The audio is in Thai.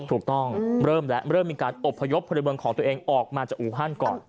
ถูกต้องเริ่มแล้วเริ่มมีการอบพยพพลเมืองของตัวเองออกมาจากอู่ฮั่นก่อน